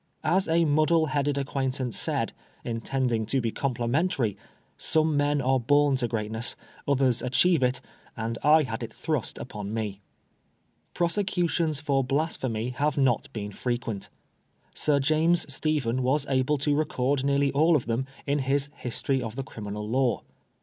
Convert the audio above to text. As a muddle headed acquaintance said, intending to be complimentary. Some men are born to greatness, others achieve it, and I had it thrust upon me. Prosecutions for Blasphemy have not been frequent. Sir James Stephen was able to record nearly all of them in his '' History of the Criminal Law."